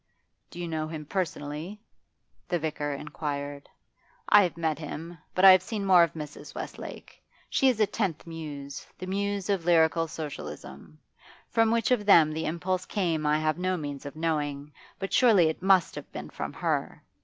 'Do you know him personally?' the vicar inquired. 'I have met him. But I have seen more of Mrs. Westlake. She is a tenth muse, the muse of lyrical Socialism. From which of them the impulse came I have no means of knowing, but surely it must have been from her.